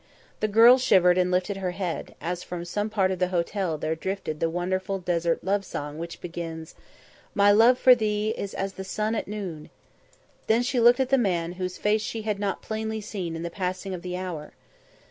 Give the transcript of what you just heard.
The girl shivered and lifted her head, as from some part of the hotel there drifted the wonderful desert love song which begins: "My love for thee is as the sun at noon " Then she looked at the man whose face she had not plainly seen in the passing of the hour.